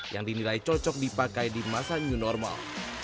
yang dinilai cocok dipakai di masa new normal